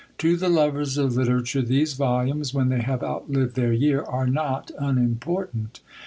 To the lovers of literature these volumes, when they have outlived their year, are not unimportant.